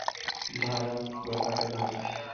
ভারাথ, বতাকে ধর।